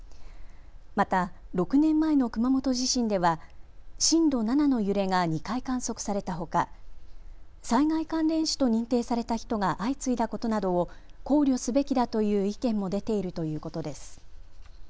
また、６年前の熊本地震では震度７の揺れが２回、観測されたほか災害関連死と認定された人が相次いだことなどを考慮すべきだという意見も出ているということです。